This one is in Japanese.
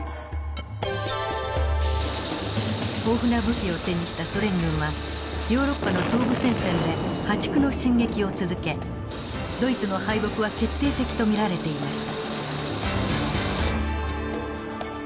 豊富な武器を手にしたソ連軍はヨーロッパの東部戦線で破竹の進撃を続けドイツの敗北は決定的と見られていました。